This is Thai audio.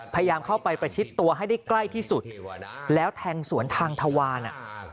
พยายามเข้าไปประชิดตัวให้ได้ใกล้ที่สุดแล้วแทงสวนทางทวาร